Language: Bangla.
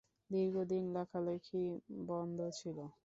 দীর্ঘ দিন লেখালিখি বন্ধ ছিল।